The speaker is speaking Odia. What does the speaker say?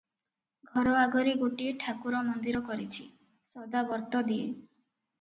ଘର ଆଗରେ ଗୋଟିଏ ଠାକୁର ମନ୍ଦିର କରିଛି, ସଦାବର୍ତ୍ତ ଦିଏ ।